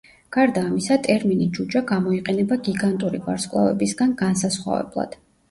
გარდა ამისა, ტერმინი „ჯუჯა“ გამოიყენება გიგანტური ვარსკვლავებისგან განსასხვავებლად.